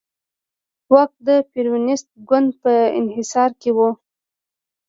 واک د پېرونېست ګوند په انحصار کې و.